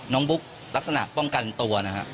บุ๊กลักษณะป้องกันตัวนะฮะ